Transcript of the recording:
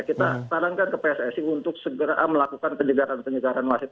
kita sarankan ke pssi untuk segera melakukan penyegaran penyegaran masif